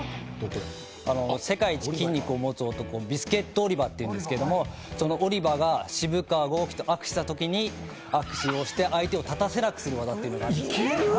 世界一の筋肉を持つ男、ビスケット・オリバっていうんですけどそのオリバが渋川剛気と握手をして相手を立たせなくする技があるんです。